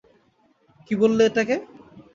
কী বললে এটাকে?